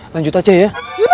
lanjut aja ya